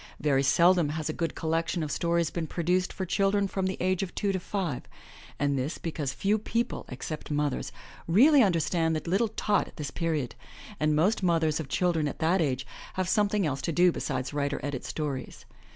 Very seldom has a good collection of stories been produced for children from the age of two to five — and this because few people, except mothers, really understand the little tot at this period, and most mothers of children at that age have something else to do besides write or edit stories.